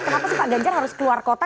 kenapa sih pak ganjar harus keluar kota